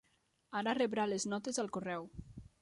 Ara rebrà les notes al correu.